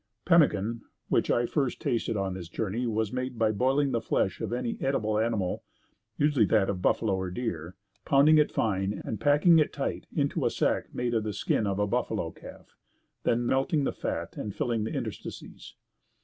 Pemmican, which I first tasted on this journey was made by boiling the flesh of any edible animal, usually that of buffalo or deer, pounding it fine and packing it tight into a sack made of the skin of a buffalo calf, then melting the fat and filling all interstices.